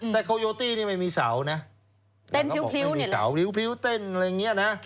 แต่โคโยตี้นี่ไม่มีเสาเนี่ยเต้นพริ้วพริ้วเต้นอะไรอย่างเงี้ยนะฮะ